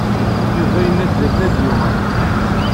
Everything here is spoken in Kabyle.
Yuba yenna-d dakken ad d-yuɣal.